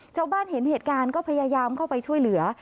ชาวบ้านเห็นเหตุการณ์ก็พยายามเข้าไปช่วยเหลือ